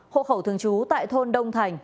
hậu khẩu thường trú tại thôn đông thành